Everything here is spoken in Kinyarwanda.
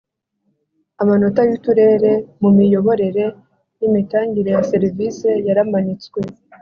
Amanota y uturere mu miyoborere n imitangire ya serivisi yaramanitswe